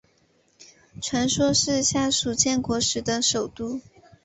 传说是夏禹建国时的首都。